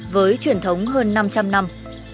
với truyền thống hơn năm trăm linh năm